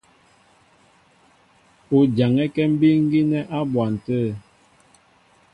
U jaŋɛ́kɛ́ mbíí gínɛ́ á bwan tə̂.